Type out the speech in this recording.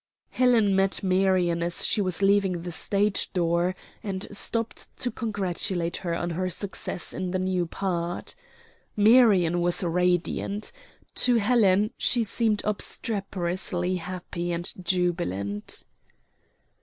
Helen met Marion as she was leaving the stage door and stopped to congratulate her on her success in the new part. Marion was radiant. To Helen she seemed obstreperously happy and jubilant.